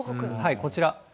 こちら。